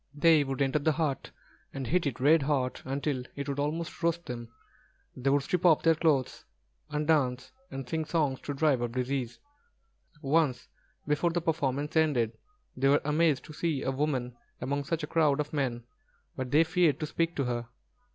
They would enter the hut, and heat it red hot until it would almost roast them. They would strip off their clothes, and dance and sing songs to drive off disease. Once before the performance ended, they were amazed to see a woman among such a crowd of men; but they feared to speak to her.